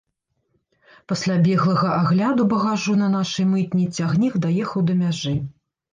Пасля беглага агляду багажу на нашай мытні цягнік даехаў да мяжы.